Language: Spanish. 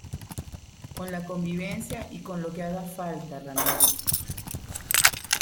con la convivencia y con lo que haga falta, Ramiro.